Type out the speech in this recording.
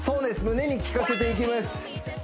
胸に効かせていきます